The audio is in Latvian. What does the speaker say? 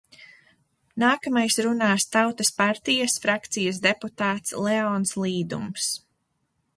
Nākamais runās Tautas partijas frakcijas deputāts Leons Līdums.